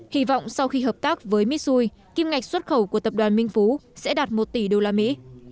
hy vọng sau khi hợp tác với mitsui kim ngạch xuất khẩu của tập đoàn minh phú sẽ đạt một tỷ đô la mỹ